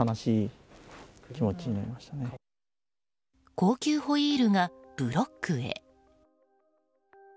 高級ホイールがブロックへ。